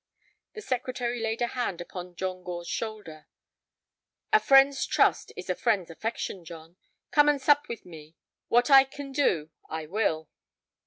The Secretary laid a hand upon John Gore's shoulder. "A friend's trust is a friend's affection, John. Come and sup with me; what I can do I will."